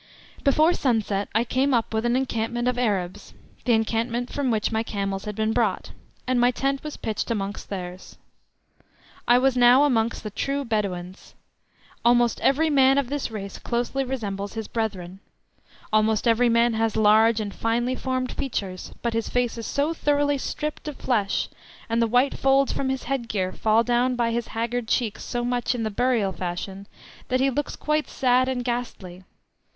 Before sunset I came up with an encampment of Arabs (the encampment from which my camels had been brought), and my tent was pitched amongst theirs. I was now amongst the true Bedouins. Almost every man of this race closely resembles his brethren. Almost every man has large and finely formed features; but his face is so thoroughly stripped of flesh, and the white folds from his headgear fall down by his haggard cheeks so much in the burial fashion, that he looks quite sad and ghastly.